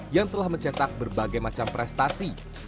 yang telah mencetak berbagai macam prestasi